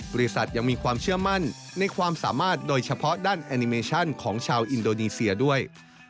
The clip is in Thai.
บริษัทยังมีความเชื่อมั่นในความสามารถโดยเฉพาะด้านแอนิเมชั่นของชาวอินโดนีเซียด้วย